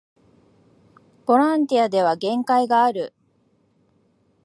ボランティアでは限界がある